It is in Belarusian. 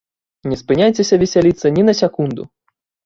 Не спыняйцеся весяліцца ні на секунду!